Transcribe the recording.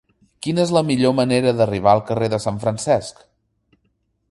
Quina és la millor manera d'arribar al carrer de Sant Francesc?